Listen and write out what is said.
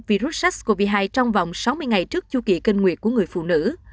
virus sars cov hai trong vòng sáu mươi ngày trước chu kỳ kinh nguyệt của người phụ nữ